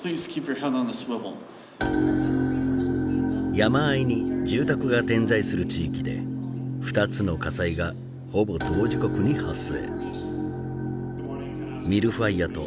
山あいに住宅が点在する地域で２つの火災がほぼ同時刻に発生。